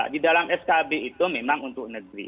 di dalam skb itu memang untuk negeri